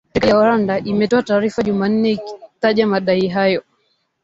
Serikali ya Rwanda imetoa taarifa jumanne ikitaja madai hayo